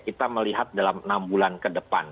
kita melihat dalam enam bulan ke depan